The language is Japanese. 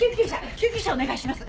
救急車お願いします。